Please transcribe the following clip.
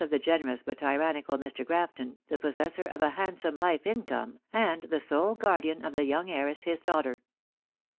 483 generous but tyrannical Mr. Grafton, the possessor of a band some life income, and the sole guardian cf the young heiress his daughter.